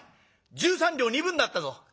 十三両二分になったぞ」。